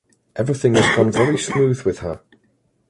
Everything has gone very smooth with her.